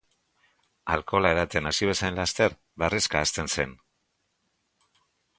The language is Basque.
Alkohola edaten hasi bezain laster, barrezka hasten zen.